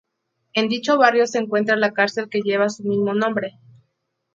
En dicho barrio se encuentra la cárcel que lleva su mismo nombre.